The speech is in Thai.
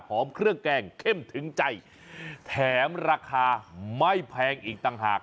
เครื่องแกงเข้มถึงใจแถมราคาไม่แพงอีกต่างหาก